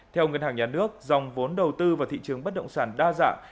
theo ngân hàng nhà nước dòng vốn đầu tư vào thị trường bất động sản đa dạng